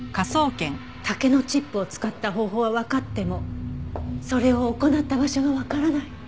竹のチップを使った方法はわかってもそれを行った場所がわからない。